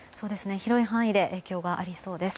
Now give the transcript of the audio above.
広い範囲で影響がありそうです。